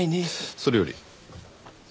それより。